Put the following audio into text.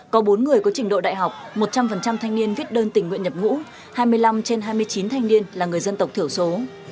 có bốn người có trình độ đại học một trăm linh thanh niên viết đơn tình nguyện nhập ngũ hai mươi năm trên hai mươi chín thanh niên là người dân tộc thiểu số